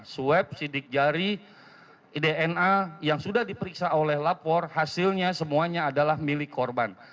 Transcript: swab sidik jari dna yang sudah diperiksa oleh lapor hasilnya semuanya adalah milik korban